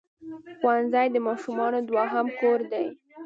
ښوونځی د ماشومانو دوهم کور دی.